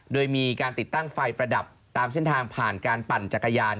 โดยมีการติดตั้งไฟประดับตามเส้นทางผ่านการปั่นจักรยาน